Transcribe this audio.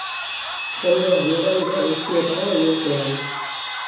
Jendea norabide guztietara ihesean.